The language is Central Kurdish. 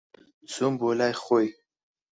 چووم بۆ لای خۆی.